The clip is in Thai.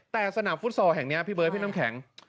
แต่สนามฟุตซอลแห่งนี้พี่เบิร์ดพี่น้ำแข็ง